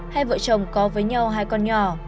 hai vợ chồng có với nhau hai con nhỏ